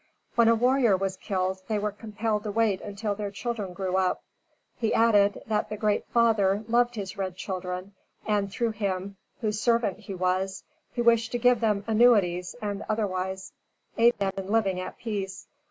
When a warrior was killed, they were compelled to wait until their children grew up. He added, that the "Great Father" loved his red children, and through him, whose servant he was, he wished to give them annuities and otherwise aid them in living at peace.